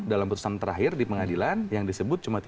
dalam putusan terakhir di pengadilan yang disebut cuma tiga